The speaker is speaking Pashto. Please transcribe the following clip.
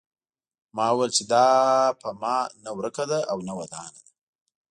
ما وویل چې دا په ما نه ورکه ده او نه ودانه ده.